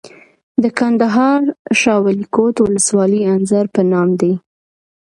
د کندهار شاولیکوټ ولسوالۍ انځر په نام دي.